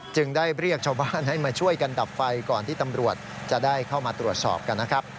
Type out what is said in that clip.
จึงได้เรียกชาวบ้านให้มาช่วยกันดับไฟก่อนที่ตำรวจจะได้เข้ามาตรวจสอบกันนะครับ